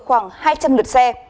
khoảng hai trăm linh lượt xe